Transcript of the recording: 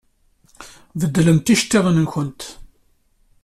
Beddlemt iceṭṭiḍen-nkent!